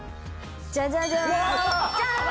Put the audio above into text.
ジャジャジャンジャン！